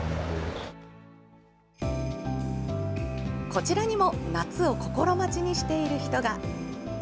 こちらにも、夏を心待ちにしている人が。